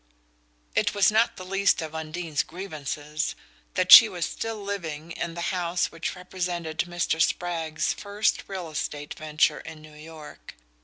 It was not the least of Undine's grievances that she was still living in the house which represented Mr. Spragg's first real estate venture in New York.